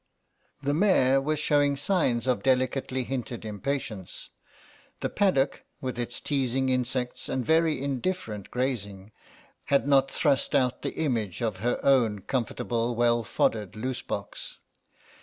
The mare was showing signs of delicately hinted impatience; the paddock, with its teasing insects and very indifferent grazing, had not thrust out the image of her own comfortable well foddered loose box.